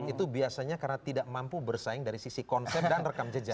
itu biasanya karena tidak mampu bersaing dari sisi konsep dan rekam jejak